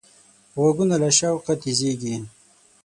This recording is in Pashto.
غوږونه له شوقه تیزېږي